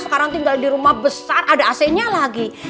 sekarang tinggal di rumah besar ada ac nya lagi